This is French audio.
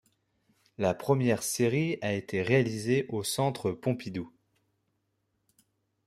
La première série a été réalisée au Centre Pompidou.